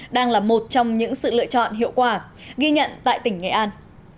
đang là một trong những sự lựa chọn hiệu quả ghi nhận tại tỉnh nghệ an